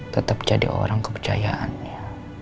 tetap jadi orang kepercayaannya